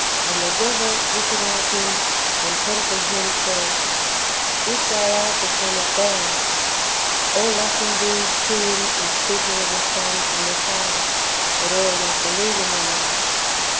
"^ And the devil looking at Him, and tem.pting Him, said: ^' If thou art the Son of God;"^ — all thus indeed seeing and speaking of the Son and the Father, but all not believing [in them].